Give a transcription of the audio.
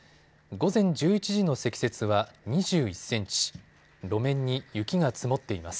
午前１１時の積雪は２１センチ、路面に雪が積もっています。